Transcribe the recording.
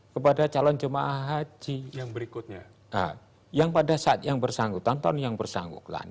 kepada calon jamaah haji yang pada saat yang bersangkutan tahun yang bersangkutan